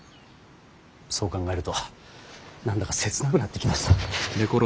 そう考えると何だか切なくなってきました。